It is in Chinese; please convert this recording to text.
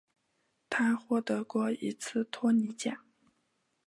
他获得过一次托尼奖。